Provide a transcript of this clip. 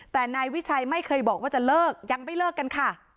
แต่นายวิชัยไม่เคยบอกว่าจะเลิกยังไม่เลิกกันค่ะ